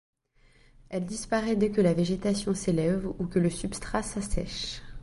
Elle disparaît dès que la végétation s’élève ou que le substrat s’assèche.